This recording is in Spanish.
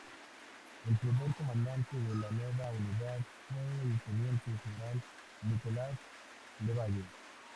El primer comandante de la nueva unidad fue el teniente general Nicolás Levalle.